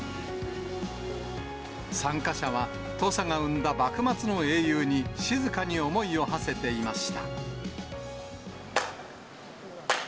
参加者は、土佐が生んだ幕末の英雄に静かに思いをはせていました。